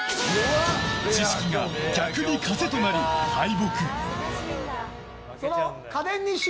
知識が逆に枷となり、敗北！